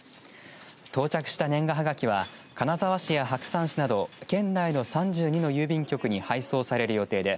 到着した年賀はがきは金沢市や白山市など県内の３２の郵便局に配送される予定で